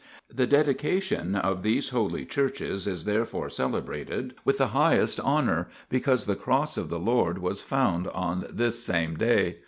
The dedication of these holy churches is therefore celebrated with the highest honour, because the Cross of the Lord was found on this same day.